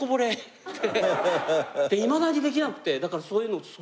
いまだにできなくてだからそういうのすごい憧れ。